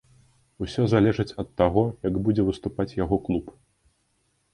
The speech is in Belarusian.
Усё залежыць ад таго, як будзе выступаць яго клуб.